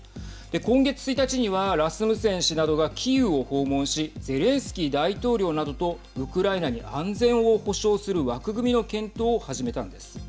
今月１日にはラスムセン氏などがキーウを訪問しゼレンスキー大統領などとウクライナに安全を保障する枠組みの検討を始めたんです。